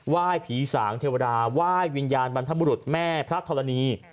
ยผีสางเทวดาไหว้วิญญาณบรรพบุรุษแม่พระธรณี